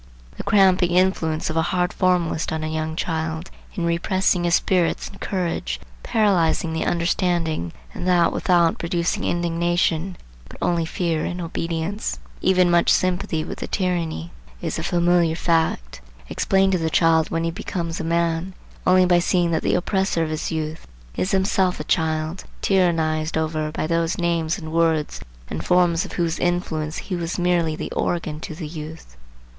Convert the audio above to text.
The cramping influence of a hard formalist on a young child, in repressing his spirits and courage, paralyzing the understanding, and that without producing indignation, but only fear and obedience, and even much sympathy with the tyranny,—is a familiar fact, explained to the child when he becomes a man, only by seeing that the oppressor of his youth is himself a child tyrannized over by those names and words and forms of whose influence he was merely the organ to the youth.